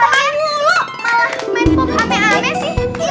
kok kaya mulu malah main pop ame ame sih